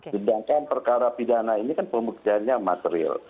sedangkan perkara pidana ini kan pembuktiannya material